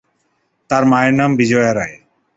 তাঁর মায়ের নাম বিজয়া রায়।